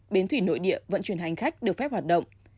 bến thủy nội địa vận chuyển hành khách được phép hoạt động